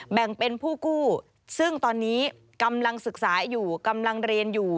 แบ่งเป็นผู้กู้ซึ่งตอนนี้กำลังศึกษาอยู่กำลังเรียนอยู่